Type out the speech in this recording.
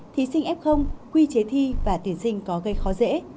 thí sinh f quy chế thi và tuyển sinh có gây khó dễ